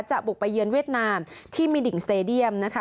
บุกไปเยือนเวียดนามที่มีดิ่งสเตดียมนะคะ